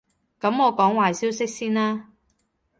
噉我講壞消息先啦